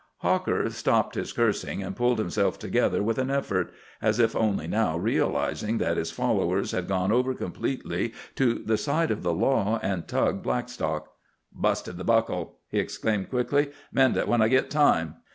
Hawker stopped his cursing and pulled himself together with an effort, as if only now realizing that his followers had gone over completely to the side of the law and Tug Blackstock. "Busted the buckle," he explained quickly. "Mend it when I git time."